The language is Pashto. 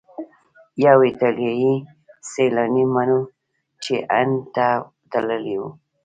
یو ایټالیایی سیلانی منوچي هند ته تللی و.